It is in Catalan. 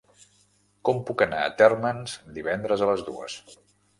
Com puc anar a Térmens divendres a les dues?